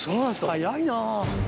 早いなぁ。